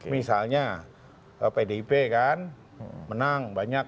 misalnya pdip kan menang banyak